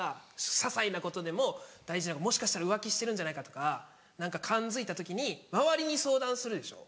ささいなことでももしかしたら浮気してるんじゃないかとか感づいた時に周りに相談するでしょ？